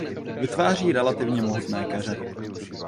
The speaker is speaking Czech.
Vytváří relativně mohutné keře.